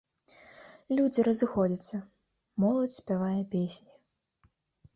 Людзі разыходзяцца, моладзь спявае песні.